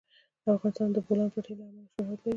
افغانستان د د بولان پټي له امله شهرت لري.